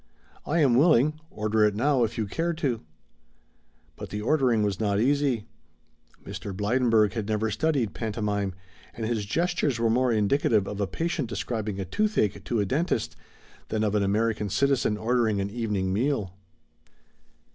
"I am willing, order it now if you care to." But the ordering was not easy. Mr. Blydenburg had never studied pantomime, and his gestures were more indicative of a patient describing a toothache to a dentist than of an American citizen ordering an evening meal.